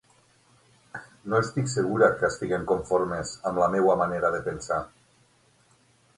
No estic segura que estiguen conformes amb la meua manera de pensar.